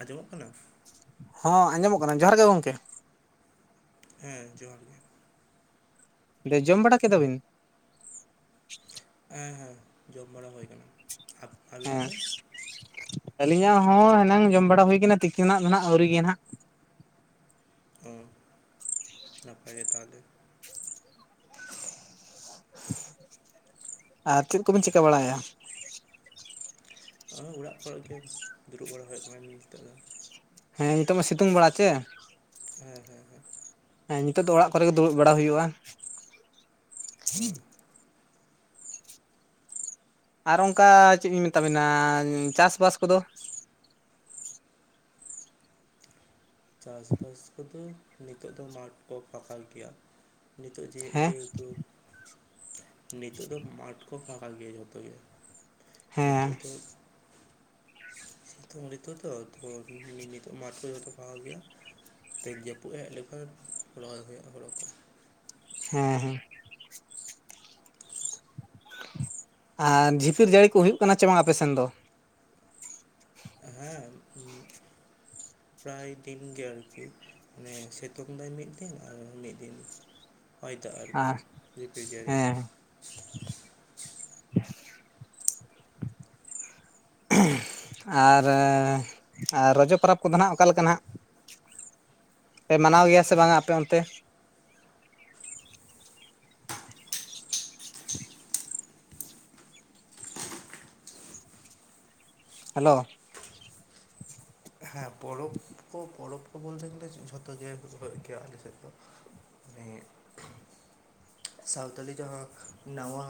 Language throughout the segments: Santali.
ᱟᱸᱡᱚᱢᱚᱜ ᱠᱟᱱᱟ? ᱦᱚᱸ ᱟᱸᱡᱚᱢᱚᱜ ᱠᱟᱱᱟ ᱡᱚᱦᱟᱨ ᱜᱮ ᱜᱚᱝᱠᱮ ᱦᱮᱸ ᱡᱚᱦᱟᱨ ᱜᱮ ᱡᱚᱢ ᱵᱟᱲᱟ ᱠᱮᱫᱟ ᱵᱤᱱ? ᱦᱮᱸ ᱦᱮᱸ ᱡᱚᱢ ᱵᱟᱲᱟ ᱦᱩᱭ ᱠᱟᱱᱟ᱾ ᱦᱮᱸ ᱟᱹᱞᱤᱧᱟᱜ ᱦᱚᱸ ᱮᱱᱟᱝ ᱡᱚᱢ ᱵᱟᱲᱟ ᱦᱩᱭ ᱠᱟᱱᱟ ᱛᱤᱠᱤᱱ ᱱᱟᱜ ᱫᱚ ᱱᱟᱦᱟᱜ ᱟᱹᱣᱨᱤ ᱜᱤ ᱱᱟᱦᱟᱜ ᱦᱚᱸ ᱱᱟᱯᱟᱭ ᱜᱮ ᱛᱟᱞᱦᱮ ᱟᱨ ᱪᱮᱫ ᱠᱚᱵᱤᱱ ᱪᱤᱠᱟ ᱵᱟᱲᱟᱭᱮᱜᱼᱟ? ᱚᱸ ᱚᱲᱟᱜ ᱠᱚᱨᱮᱜ ᱜᱮ ᱫᱩᱲᱩᱵ ᱵᱟᱲᱟ ᱦᱩᱭᱩᱜ ᱠᱟᱱᱟ ᱱᱤᱛᱚᱜ ᱫᱚ ᱦᱮᱸ ᱱᱤᱛᱚᱜ ᱢᱟ ᱥᱤᱛᱩᱝ ᱵᱮᱲᱟ ᱪᱮ ᱦᱮᱸ ᱦᱮᱸ ᱦᱮᱸ ᱦᱮᱸ ᱱᱤᱛᱚᱜ ᱫᱚ ᱚᱲᱟᱜ ᱠᱚᱨᱮ ᱜᱮ ᱫᱩᱲᱩᱵ ᱵᱟᱲᱟ ᱦᱩᱭᱩᱜᱼᱟ᱾ ᱦᱩᱸ ᱟᱨ ᱚᱝᱠᱟ ᱪᱮᱫ ᱤᱧ ᱢᱮᱛᱟ ᱵᱤᱱᱟ ᱪᱟᱥᱵᱟᱥ ᱠᱚᱫᱚ ᱪᱟᱥᱵᱟᱥ ᱠᱚᱫᱚ ᱱᱤᱛᱚᱜ ᱫᱚ ᱢᱟᱴᱷ ᱫᱚ ᱯᱷᱟᱠᱟᱞ ᱜᱮᱭᱟ᱾ ᱱᱤᱛᱚᱜ ᱡᱮ ᱦᱮᱸ ᱡᱮᱦᱮᱛᱩ ᱱᱤᱛᱚᱜ ᱫᱚ ᱢᱟᱴᱷ ᱠᱚ ᱯᱷᱟᱠᱟ ᱜᱮᱭᱟ ᱡᱷᱚᱛᱚ ᱜᱮ᱾ ᱦᱮᱸ ᱱᱤᱛᱚᱜ ᱫᱚ ᱥᱤᱛᱩᱝ ᱱᱤᱛᱚᱜ ᱫᱚ ᱛᱚ ᱱᱤ ᱱᱤᱛᱚᱜ ᱢᱟᱴᱷ ᱠᱚ ᱡᱚᱛᱚ ᱯᱷᱟᱠᱟ ᱜᱮᱭᱟ᱾ ᱛᱤᱧ ᱡᱟᱹᱯᱩᱫ ᱦᱮᱜ ᱞᱮᱠᱷᱟᱱ ᱨᱚᱦᱚᱭ ᱦᱩᱭᱩᱜᱼᱟ ᱦᱳᱲᱳ ᱠᱚ᱾ ᱦᱮᱸ ᱦᱮᱸ᱾ ᱟᱨ, ᱡᱷᱤᱯᱤᱨ ᱡᱟᱹᱲᱤ ᱠᱚ ᱦᱩᱭᱩᱜ ᱠᱟᱱᱟ ᱪᱮ ᱵᱟᱝ ᱟᱯᱮ ᱥᱮᱱ ᱫᱚ? ᱦᱮᱸ, ᱯᱨᱟᱭ ᱫᱤᱱ ᱜᱮ ᱟᱨᱠᱤ᱾ ᱱᱮ ᱥᱤᱛᱩᱝ ᱫᱟᱭ ᱢᱤᱫ ᱫᱤᱱ ᱟᱨ ᱢᱤᱫ ᱫᱤᱱ ᱦᱚᱭ ᱫᱟ ᱟᱨ ᱟᱨᱠᱤ, ᱡᱷᱤᱯᱤᱨ ᱡᱟᱹᱲᱤ᱾ ᱦᱮᱸ ᱟᱨ, ᱨᱚᱡᱚ ᱯᱟᱨᱚᱵᱽ ᱠᱚᱫᱚ ᱱᱟᱜ ᱚᱠᱟᱞᱮᱠᱟ ᱦᱟᱸᱜ? ᱯᱮ ᱢᱟᱱᱟᱣ ᱜᱮᱭᱟ ᱥᱮ ᱵᱟᱝᱟ ᱟᱯᱮ ᱚᱱᱛᱮ? ᱦᱮᱞᱳ᱾ ᱦᱮᱸ, ᱯᱚᱨᱚᱵᱽ ᱠᱚ ᱯᱚᱨᱚᱵᱽ ᱠᱚ ᱵᱚᱞᱛᱮ ᱜᱮᱞᱮ ᱡᱷᱚᱛᱚ ᱜᱮ ᱦᱩᱭᱩᱜ ᱜᱮᱭᱟ, ᱟᱞᱮ ᱥᱮᱫ ᱫᱚ᱾ ᱱᱤᱭᱟᱹ ᱥᱟᱶᱛᱟᱞᱤ ᱡᱟᱦᱟᱸ ᱱᱟᱣᱟ,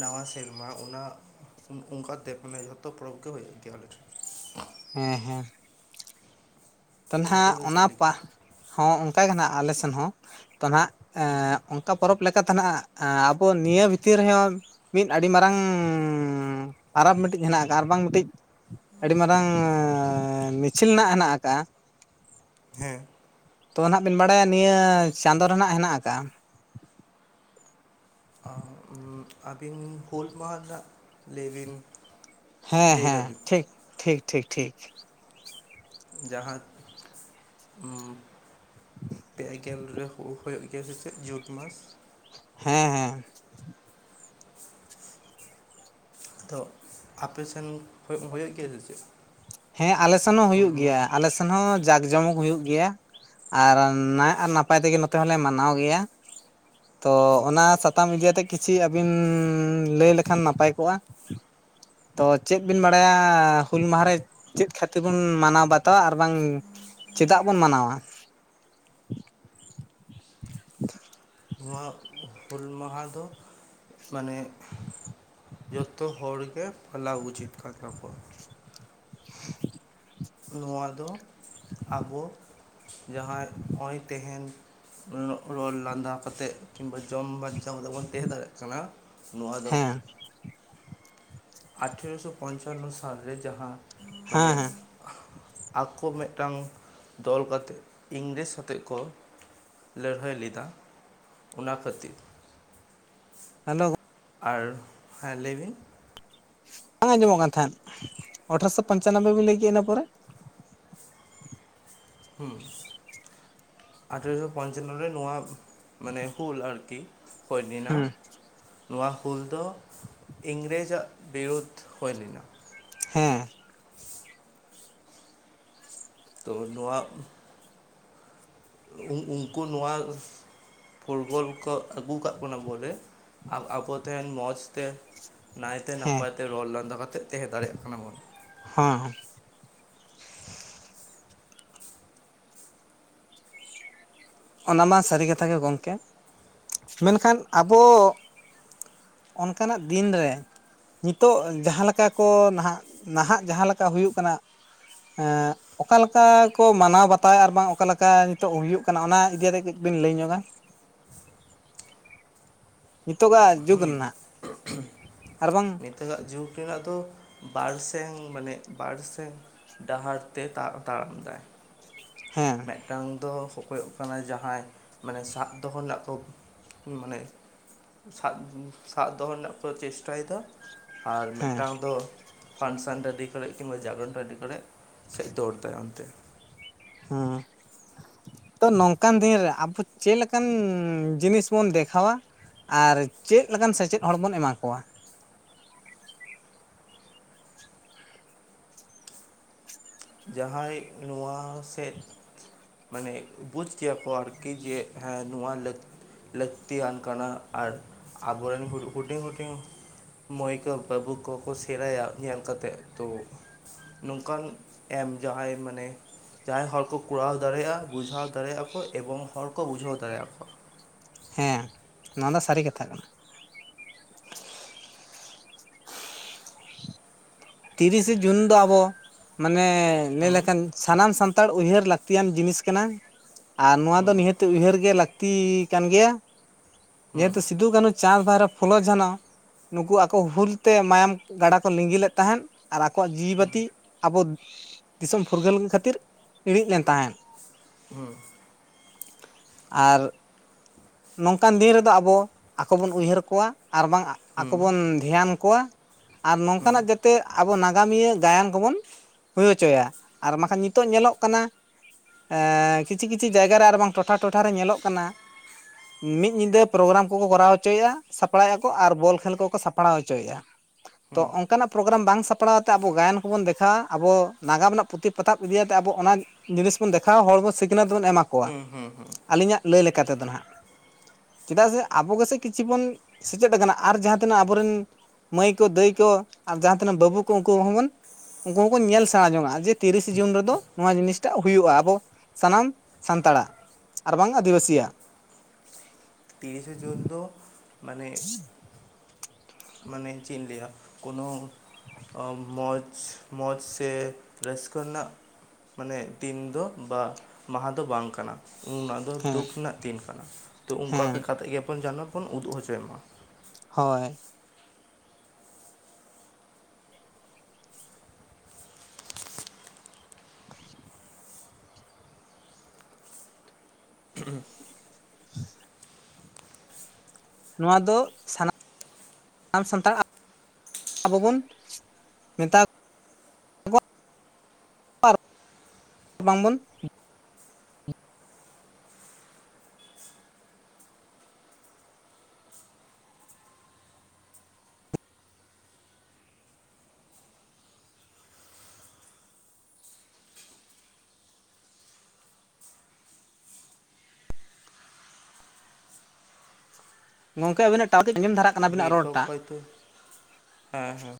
ᱱᱟᱣᱟ ᱥᱮᱨᱢᱟ ᱚᱱᱟ ᱚᱱ ᱚᱱᱠᱟᱛᱮ, ᱢᱟᱱᱮ ᱡᱷᱚᱛᱚ ᱯᱚᱨᱚᱵᱽ ᱜᱮ ᱦᱩᱭᱩᱜ ᱜᱮᱭᱟ ᱟᱞᱮ ᱴᱷᱮᱱ᱾ ᱦᱮᱸ ᱦᱮᱸ᱾ ᱛᱟᱦᱚᱞᱮ ᱟᱯᱮ ᱦᱟᱸᱜ ᱫᱚ ᱪᱮᱫ ᱚᱱᱟ ᱞᱮᱠᱟ ᱯᱟᱦ, ᱦᱚᱸ ᱚᱱᱠᱟᱜᱮ ᱦᱟᱸᱜ ᱟᱞᱮ ᱥᱮᱱ ᱦᱚᱸ᱾ ᱛᱚ ᱱᱟᱦᱟᱜ, ᱚᱱᱠᱟ ᱯᱚᱨᱚᱵᱽ ᱞᱮᱠᱟᱛᱮ ᱱᱟᱦᱱᱟᱜ ᱟᱵᱚ ᱱᱤᱭᱟᱹ ᱵᱷᱤᱛᱤᱨ ᱨᱮᱦᱚᱸ ᱢᱤᱫ ᱟᱹᱰᱤ ᱢᱟᱨᱟᱝ ᱯᱟᱨᱟᱵᱽ ᱢᱤᱫᱴᱤᱡ ᱦᱮᱱᱟᱜ ᱟᱠᱟᱫᱼᱟ᱾ ᱟᱨ ᱵᱟᱝ ᱢᱤᱫᱴᱤᱡ ᱟᱹᱰᱤ ᱢᱟᱨᱟᱝ ᱮᱸᱻ ᱢᱤᱪᱷᱤᱞ ᱱᱟᱜ ᱦᱮᱱᱟᱜ ᱟᱠᱟᱟᱜᱼᱟ᱾ ᱦᱮᱸ᱾ ᱛᱚ ᱱᱟᱦᱟᱜ ᱵᱤᱱ ᱵᱟᱲᱟᱭᱟ, ᱱᱤᱭᱟᱹ ᱪᱟᱸᱫᱳ ᱨᱮᱱᱟᱜ ᱦᱮᱱᱟᱜ ᱟᱠᱟᱜᱼᱟ᱾ ᱟ᱾ [inaudible] ᱟᱹᱵᱤᱱ ᱦᱩᱞ ᱢᱟᱦᱟ ᱨᱮᱱᱟᱜ ᱞᱟᱹᱭ ᱵᱤᱱ᱾ ᱦᱮᱸ ᱞᱟᱹᱭ ᱦᱮᱸ, ᱫᱟᱵᱤᱱ ᱴᱷᱤᱠ ᱴᱷᱤᱠ ᱴᱷᱤᱠ ᱴᱷᱤᱠ᱾ ᱡᱟᱦᱟᱸ, ᱩᱢ ᱯᱮ ᱜᱮᱞ ᱨᱮ ᱦᱩᱞ ᱦᱩᱭᱩᱜ᱾ [unintelligible] ᱡᱩᱱ ᱢᱟᱥ᱾ ᱦᱮᱸ ᱦᱮᱸ᱾ ᱛᱚ, ᱟᱯᱮ ᱥᱮᱱ ᱦᱚᱭ ᱦᱩᱭᱩᱜ ᱜᱮᱭᱟ ᱥᱮ ᱪᱮᱫ? ᱦᱮᱸ, ᱟᱞᱮ ᱥᱮᱱ ᱦᱚᱸ ᱦᱩᱞ ᱦᱩᱭᱩᱜ ᱜᱮᱭᱟ, ᱢᱟᱦᱟ ᱟᱞᱮ ᱥᱮᱱ ᱦᱚᱸ ᱡᱟᱠ ᱡᱚᱢᱚᱠ ᱦᱩᱭᱩᱜ ᱜᱮᱭᱟ᱾ ᱟᱨ, ᱱᱟ ᱟᱨ ᱱᱟᱯᱟᱭ ᱛᱮᱜᱮ ᱱᱚᱛᱮ ᱦᱚᱸᱞᱮ ᱢᱟᱱᱟᱣ ᱜᱮᱭᱟ᱾ ᱛᱚ, ᱚᱱᱟ ᱥᱟᱛᱟᱢ ᱤᱫᱤ ᱟᱛᱮ ᱠᱤᱪᱷᱤ ᱟᱹᱵᱤᱱ ᱞᱟᱹᱭ ᱞᱮᱠᱷᱟᱱ ᱱᱟᱯᱟᱭ ᱠᱚᱜᱼᱟ᱾ ᱛᱚ ᱪᱮᱫ ᱵᱤᱱ ᱵᱟᱲᱟᱭᱟ ᱦᱩᱞ ᱢᱟᱦᱟ ᱨᱮ ᱪᱮᱫ ᱠᱷᱟᱹᱛᱤᱨ ᱵᱚᱱ ᱢᱟᱱᱟᱣ ᱵᱟᱛᱟᱣᱟ, ᱟᱨ ᱵᱟᱝ ᱪᱮᱫᱟᱜ ᱵᱚᱱ ᱢᱟᱱᱟᱣᱟ? [unintelligible] ᱦᱩᱞ ᱢᱟᱦᱟ ᱫᱚ ᱢᱟᱱᱮ [inaudible] ᱡᱚᱛᱚ ᱦᱚᱲᱜᱮ ᱯᱟᱞᱟᱣ ᱩᱪᱤᱛ ᱠᱟᱱ ᱛᱟᱵᱚᱣᱟ᱾ [inaudible] ᱱᱚᱣᱟ ᱫᱚ ᱟᱵᱚ ᱡᱟᱦᱟᱸᱭ ᱱᱚᱜᱚᱭ ᱛᱮᱦᱮᱱ᱾ ᱨᱚᱲ ᱞᱟᱸᱫᱟ ᱠᱟᱛᱮᱫ, ᱠᱤᱢᱵᱟ ᱡᱚᱢ ᱵᱟᱧᱪᱟᱣ ᱠᱟᱛᱮᱜ ᱵᱚᱱ ᱛᱟᱦᱮᱸ ᱫᱟᱲᱮᱭᱟᱜ ᱠᱟᱱᱟ᱾ ᱱᱚᱣᱟ ᱫᱚ ᱦᱮᱸ ᱟᱴᱷᱮᱨᱚᱥᱚ ᱯᱚᱧᱪᱟᱱᱱᱚ ᱥᱟᱞᱨᱮ ᱡᱟᱦᱟᱸ ᱦᱮᱸ ᱢᱟᱱᱮ ᱦᱮᱸ ᱟᱠᱚ ᱢᱤᱫᱴᱟᱝ ᱫᱚᱞ ᱠᱟᱛᱮᱫ ᱤᱝᱨᱮᱡᱽ ᱥᱟᱛᱮᱜ ᱠᱚ ᱞᱟᱹᱲᱦᱟᱹᱭ ᱞᱮᱫᱟ ᱚᱱᱟ ᱠᱷᱟᱹᱛᱤᱨ ᱦᱮᱞᱳ ᱟᱨ ᱦᱮ ᱞᱟᱹᱭ ᱵᱤᱱ ᱵᱟᱝ ᱟᱸᱡᱚᱢᱚᱜ ᱠᱟᱱ ᱛᱟᱦᱮᱸᱫ ᱟᱴᱷᱨᱚᱥᱚ ᱯᱚᱪᱟᱱᱚᱵᱵᱚᱭ ᱵᱤᱱ ᱞᱟᱹᱭ ᱠᱮᱫᱮᱫᱼᱟ ᱤᱱᱟ ᱯᱚᱨᱮ? [unintelligible] ᱟᱴᱷᱮᱨᱚᱥᱚ ᱯᱚᱧᱪᱟᱱᱱᱚ ᱨᱮ ᱱᱚᱣᱟ ᱢᱟᱱᱮ ᱦᱩᱞ ᱟᱨᱠᱤ ᱦᱩᱭ ᱞᱮᱱᱟ ᱾ ᱦᱮᱸ ᱱᱚᱣᱟ ᱦᱩᱞ ᱫᱚ ᱤᱝᱨᱮᱡᱽᱟᱜ ᱵᱤᱨᱩᱫ ᱦᱩᱭ ᱞᱮᱱᱟ ᱾ ᱦᱮᱸ ᱛᱚ ᱱᱚᱣᱟ ᱩᱱᱠᱩ ᱱᱚᱣᱟ ᱯᱷᱩᱨᱜᱟᱹᱞ ᱠᱚ ᱟᱹᱜᱩ ᱟᱠᱟᱫ ᱵᱚᱱᱟ ᱵᱚᱞᱮ ᱟᱵᱚ ᱛᱮᱦᱮᱧ ᱢᱚᱡᱽ ᱛᱮ ᱱᱟᱭᱛᱮ ᱦᱮᱸ ᱱᱟᱯᱟᱭ ᱛᱮ ᱨᱚᱲ ᱞᱟᱸᱫᱟ ᱠᱟᱛᱮ ᱛᱟᱦᱮᱸ ᱫᱟᱲᱮᱭᱟᱜ ᱠᱟᱱᱟ ᱵᱚᱱ ᱾ ᱦᱮᱸ ᱚᱱᱟ ᱢᱟ ᱥᱟᱹᱨᱤ ᱠᱟᱛᱷᱟ ᱜᱮ ᱜᱚᱢᱠᱮ, ᱢᱮᱱᱠᱷᱟᱱ ᱟᱵᱚᱼ ᱚᱱᱠᱟᱱᱟᱜ ᱫᱤᱱ ᱨᱮ ᱱᱤᱛᱚᱜ ᱡᱟᱦᱟᱸ ᱞᱮᱠᱟ ᱠᱚ ᱱᱟᱦᱟᱜ ᱱᱟᱦᱟᱜ ᱡᱟᱦᱟᱸ ᱞᱮᱠᱟ ᱦᱩᱭᱩᱜ ᱠᱟᱱᱟ, ᱮᱸ ᱚᱠᱟ ᱞᱮᱠᱟ ᱠᱚ ᱢᱟᱱᱟᱣ ᱵᱟᱛᱟᱣᱮᱫ ᱟᱨ ᱵᱟᱝ ᱚᱠᱟ ᱞᱮᱠᱟ ᱱᱤᱛᱚᱜ ᱦᱩᱭᱩᱜ ᱠᱟᱱᱟ, ᱚᱱᱟ ᱤᱫᱤᱭᱟᱛᱮ ᱠᱟᱹᱡ ᱵᱤᱱ ᱞᱟᱹᱭ ᱧᱚᱜ-ᱟ? ᱱᱤᱛᱚᱜᱟᱜ ᱡᱩᱜᱽ ᱨᱮᱱᱟᱜ? ᱟᱨ ᱵᱟᱝ ᱱᱤᱛᱚᱜᱟᱜ ᱡᱩᱜᱽ ᱩᱱᱠᱤᱱᱟᱜ ᱫᱚ ᱵᱟᱨᱥᱝ ᱢᱟᱱᱮ ᱵᱟᱨᱥᱮᱱ ᱰᱟᱦᱟᱨ ᱛᱮ [inaudible] ᱛᱟᱲᱟᱢᱫᱟᱭ ᱦᱮᱸ ᱢᱤᱫᱴᱟᱝ ᱫᱚ ᱠᱚᱠᱚᱭᱚᱜ ᱠᱟᱱᱟ ᱡᱟᱦᱟᱸᱭ ᱢᱟᱱᱮ ᱥᱟᱵ ᱫᱚᱦᱚ ᱨᱮᱱᱟᱜ ᱠᱚ ᱢᱟᱱᱮ ᱥᱟᱵ ᱥᱟᱵ ᱫᱚᱦᱚ ᱨᱮᱱᱟᱜ ᱠᱚ ᱪᱮᱥᱴᱟᱭᱮᱫᱟ ᱟᱨ ᱦᱮᱸ ᱢᱤᱫᱴᱟᱝ ᱫᱚ ᱯᱷᱟᱱᱥᱮᱱ ᱴᱟᱸᱰᱤ ᱠᱚᱨᱮ ᱠᱤᱝᱵᱟ ᱡᱟᱜᱨᱚᱱ ᱴᱟᱸᱰᱤ ᱠᱚᱨᱮ ᱥᱮᱫ ᱫᱚᱲ ᱛᱟᱭ ᱚᱱᱛᱮ [inaudible] ᱦᱩᱸ ᱛᱚ ᱱᱚᱝᱠᱟᱱ ᱫᱤᱱ ᱨᱮ ᱟᱵᱚ ᱪᱮᱫ ᱞᱮᱠᱟᱱ ᱡᱤᱱᱤᱥ ᱵᱚᱱ ᱫᱮᱠᱷᱟᱣᱟ, ᱟᱨ ᱪᱮᱫ ᱞᱮᱠᱟᱱ ᱥᱮᱪᱮᱫ ᱦᱚᱲ ᱵᱚᱱ ᱮᱢᱟ ᱠᱚᱣᱟ? ᱡᱟᱦᱟᱸᱭ ᱱᱚᱣᱟ ᱥᱮᱫ ᱢᱟᱱᱮ ᱵᱩᱡᱽ ᱠᱮᱭᱟᱠᱚ ᱟᱨᱠᱤ ᱡᱮ ᱦᱮᱸ ᱱᱚᱣᱟ ᱞᱟᱹᱠ ᱞᱟᱹᱠᱛᱤᱭᱟᱱ ᱠᱟᱱᱟ ᱟᱨ ᱟᱵᱚᱨᱮᱱ ᱦᱩᱰᱤᱧ ᱦᱩᱰᱤᱧ ᱢᱟᱹᱭ ᱠᱚ ᱵᱟᱹᱵᱩ ᱠᱚᱠᱚ ᱥᱮᱬᱟᱭᱟ ᱧᱮ ᱠᱟᱮᱫ ᱛᱚ ᱱᱚᱝᱠᱟᱱ ᱮᱢ ᱡᱟᱦᱟᱸᱟᱭ ᱢᱟᱱᱮ ᱡᱟᱦᱟᱸᱭ ᱦᱚᱲ ᱠᱚ ᱠᱚᱨᱟᱣ ᱫᱟᱲᱮᱭᱟᱜᱼᱟ ᱵᱩᱡᱷᱟᱹᱣ ᱫᱟᱲᱮᱭᱟᱜᱼᱟ ᱠᱚ ᱮᱵᱚᱝ ᱦᱚᱲ ᱠᱚ ᱵᱩᱡᱷᱟᱹᱣ ᱫᱟᱲᱮᱭᱟᱜᱼᱟ ᱠᱚᱣᱟ ᱾ ᱦᱮᱸ ᱱᱚᱣᱟ ᱫᱚ ᱥᱟᱨᱤ ᱠᱟᱛᱷᱟ ᱠᱟᱱᱟ᱿ ᱛᱤᱨᱤᱥᱮ ᱡᱩᱱ ᱫᱚ ᱟᱵᱚ ᱢᱟᱱᱮ ᱞᱟᱹᱭ ᱦᱩᱸ ᱞᱮᱠᱷᱟᱱ ᱥᱟᱱᱟᱢ ᱥᱟᱱᱛᱟᱲ ᱩᱭᱦᱟᱹᱨ ᱞᱟᱹᱠᱛᱤᱭᱟᱱ ᱡᱤᱱᱤᱥ ᱠᱟᱱᱟ᱾ ᱟᱨ ᱱᱚᱣᱟ ᱫᱚ ᱦᱩᱸ ᱱᱤᱦᱟᱹᱛ ᱩᱭᱦᱟᱹᱨ ᱜᱮ ᱞᱟᱹᱠᱛᱤ ᱠᱟᱱ ᱜᱮᱭᱟ᱾ ᱦᱩᱸ ᱡᱮᱦᱮᱛᱩ ᱥᱤᱫᱩ ᱠᱟᱹᱱᱦᱩ, ᱪᱟᱸᱫ ᱵᱟᱭᱨᱟ, ᱯᱷᱩᱞ ᱡᱷᱟᱱᱚ ᱱᱩᱠᱩ ᱟᱠᱚ ᱦᱩᱞ ᱛᱮ ᱢᱟᱭᱟᱢ ᱜᱟᱰᱟ ᱠᱚ ᱞᱤᱸᱜᱤᱮᱫ ᱛᱟᱦᱮᱱ ᱟᱨ ᱟᱠᱚᱣᱟᱜ ᱡᱤᱣᱤ ᱵᱟᱹᱛᱤ ᱟᱵᱚ ᱫᱤᱥᱚᱢ ᱯᱷᱩᱨᱜᱟᱹᱞ ᱠᱷᱟᱹᱛᱤᱨ ᱤᱬᱤᱡ ᱞᱮᱱ ᱛᱟᱦᱮᱸᱫ᱾ ᱦᱩᱸ ᱾ ᱟᱨ ᱱᱚᱝᱠᱟᱱ ᱫᱤᱱ ᱨᱮᱫᱚ ᱟᱵᱚ ᱟᱠᱚ ᱵᱚᱱ ᱩᱭᱦᱟᱹᱨ ᱠᱚᱣᱟ ᱟᱨ ᱵᱟᱝ ᱟᱠᱚ ᱦᱩᱸ ᱦᱩᱸ ᱵᱚᱱ ᱫᱷᱮᱭᱟᱱ ᱠᱚᱣᱟ ᱾ ᱟᱨ ᱱᱚᱝᱠᱟᱱᱟᱜ ᱦᱩᱸ ᱡᱟᱛᱮ ᱟᱵᱚ ᱱᱟᱜᱟᱢᱤᱭᱟᱹ ᱜᱟᱭᱟᱱ ᱠᱚᱵᱚᱱ ᱦᱩᱭ ᱦᱚᱪᱚᱭᱟ ᱟᱨ ᱵᱟᱝᱠᱷᱟᱱ ᱱᱤᱛᱚᱜ ᱧᱮᱞᱚᱜ ᱠᱟᱱᱟ ᱮᱸ ᱠᱤᱪᱷᱤᱩ ᱠᱤᱪᱷᱩ ᱡᱟᱭᱜᱟ ᱨᱮ ᱟᱨᱵᱟᱝ ᱴᱚᱴᱷᱟ ᱴᱚᱴᱷᱟ ᱨᱮ ᱧᱮᱞᱚᱜ ᱠᱟᱱᱟ ᱢᱤᱫ ᱧᱤᱫᱟᱹ ᱯᱨᱚᱜᱨᱟᱢ ᱠᱚᱠᱚ ᱠᱚᱨᱟᱣ ᱦᱚᱪᱚᱭᱮᱫᱼᱟ ᱥᱟᱯᱲᱟᱭᱮᱫᱼᱟ ᱠᱚ ᱟᱨ ᱵᱚᱞ ᱠᱷᱮᱞ ᱠᱚᱠᱚ ᱥᱟᱯᱲᱟᱣ ᱦᱚᱪᱚᱭᱮᱫᱼᱟ ᱾ ᱛᱚ ᱦᱩᱸ ᱚᱱᱠᱟᱱᱟᱜ ᱯᱨᱚᱜᱨᱟᱢ ᱵᱟᱝ ᱥᱟᱯᱲᱟᱣ ᱟᱛᱮ ᱟᱵᱚ ᱜᱟᱭᱟᱱ ᱠᱚᱵᱚᱱ ᱫᱮᱠᱷᱟᱣᱟ ᱟᱵᱚ ᱱᱟᱜᱟᱢ ᱨᱮᱱᱟᱜ ᱯᱩᱛᱷᱤ ᱯᱟᱛᱟᱵ ᱤᱫᱤ ᱟᱛᱮ ᱟᱵᱚ ᱚᱱᱟ ᱡᱤᱱᱤᱥ ᱵᱚᱱ ᱫᱮᱠᱷᱟᱣᱟ ᱦᱚᱲ ᱵᱚ ᱥᱤᱠᱷᱱᱟᱹᱛ ᱵᱚᱱ ᱮᱢᱟ ᱠᱚᱣᱟ ᱾ ᱦᱩᱸ ᱟᱹᱞᱤᱧᱟᱜ ᱞᱟᱹᱭ ᱞᱮᱠᱟ ᱛᱮᱫᱚ ᱱᱟᱦᱜ ᱾ ᱪᱮᱫᱟᱜ ᱥᱮ ᱟᱵᱚ ᱜᱮᱥᱮ ᱠᱤᱪᱷᱩ ᱵᱚᱱ ᱥᱮᱪᱮᱫ ᱟᱠᱟᱱᱟ ᱟᱨ ᱡᱟᱦᱟᱸ ᱛᱤᱱᱟᱹᱜ ᱟᱵᱚᱨᱮᱱ ᱢᱟᱹᱭ ᱠᱚ ᱫᱟᱹᱭ ᱠᱚ ᱟᱨ ᱡᱟᱦᱟᱸ ᱛᱤᱱᱟᱹᱜ ᱵᱟᱹᱵᱩ ᱠᱚ ᱩᱱᱠᱩ ᱦᱚᱸᱵᱚᱱ ᱩᱱᱠᱩ ᱦᱚᱸᱠᱚ ᱧᱮᱞ ᱥᱮᱬᱟ ᱡᱚᱝᱟᱜ-ᱟ ᱡᱮ ᱛᱤᱨᱤᱥᱮ ᱡᱩᱱ ᱨᱮᱫᱚ ᱱᱚᱣᱟ ᱡᱤᱱᱤᱥᱴᱟᱜ ᱦᱩᱭᱩᱜᱼᱟ, ᱟᱵᱚ ᱥᱟᱱᱟᱢ ᱥᱟᱱᱛᱟᱲᱟᱜ ᱟᱨ ᱵᱟᱝ ᱦᱩᱸ ᱟᱹᱫᱤᱵᱟᱹᱥᱤᱭᱟᱜ ᱾ ᱛᱤᱨᱤᱥᱮ ᱡᱩᱱ ᱫᱚ ᱢᱟᱱᱮ ᱢᱟᱱᱮ ᱪᱮᱫ ᱤᱧ ᱞᱟᱹᱭᱟ ᱠᱚᱱᱳ ᱢᱚᱡᱽ ᱢᱚᱡᱽ ᱥᱮ ᱨᱟᱹᱥᱠᱟᱹ ᱨᱮᱱᱟᱜ ᱢᱟᱱᱮ ᱫᱤᱱ ᱫᱚ ᱵᱟ ᱢᱟᱦᱟᱸ ᱫᱚ ᱵᱟᱝ ᱠᱟᱱᱟ ᱾ ᱚᱱᱟ ᱫᱚ ᱦᱮᱸ ᱫᱩᱠ ᱨᱮᱱᱟᱜ ᱫᱤᱱ ᱠᱟᱱᱟ, ᱛᱚ ᱚᱱᱠᱟ ᱦᱮᱸ ᱠᱟᱛᱮᱫ ᱜᱮᱵᱚᱱ ᱡᱮᱱᱚ ᱵᱚᱱ ᱩᱫᱩᱜ ᱦᱚᱪᱚᱭ ᱢᱟ ᱾ ᱦᱚᱭ ᱾ [unintelligible] ᱱᱚᱣᱟ ᱫᱚ ᱥᱟᱱᱟ ᱟᱢ ᱥᱟᱱᱛᱟᱲ ᱟᱵᱚ ᱵᱚᱱ ᱢᱮᱛᱟ ᱵᱟᱝ ᱵᱚᱱ ᱜᱚᱝᱠᱮ ᱟᱵᱤᱱᱟᱜ ᱴᱟᱣᱟᱨ ᱠᱟᱹᱡ ᱟᱸᱡᱚᱢ ᱫᱷᱟᱨᱟᱜ ᱠᱟᱱᱟ ᱟᱵᱤᱱᱟᱜ ᱨᱚᱲ ᱱᱮᱴᱣᱟᱨᱠ ᱴᱟᱜ ᱾ ᱦᱚᱭᱛᱳ ᱦᱮᱸ ᱦᱮᱸ ᱾